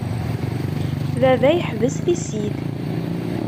Baba yeḥbes tissit.